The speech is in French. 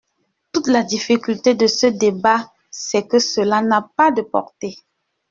Toute la difficulté de ce débat, c’est que cela n’a pas de portée.